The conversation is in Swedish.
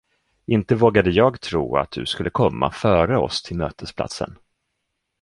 Inte vågade jag tro att du skulle komma före oss till mötesplatsen.